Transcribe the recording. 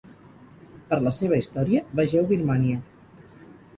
Per la seva història vegeu Birmània.